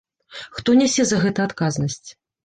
Хто нясе за гэта адказнасць?